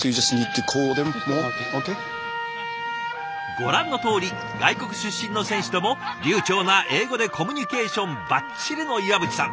ご覧のとおり外国出身の選手とも流ちょうな英語でコミュニケーションばっちりの岩渕さん。